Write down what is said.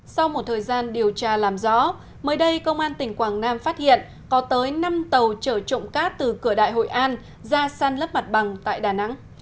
sau một thời gian điều tra làm rõ mới đây công an tỉnh quảng nam phát hiện có tới năm tàu chở trộm cát từ cửa đại hội an ra săn lấp mặt bằng tại đà nẵng